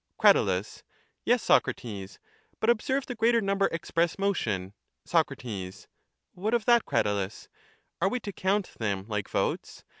Cmt. Yes, Socrates, but observe ; the greater number ex press motion. Soc. What of that, Cratylus? Are we to count them like votes?